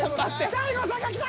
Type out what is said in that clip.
大悟さんが来た！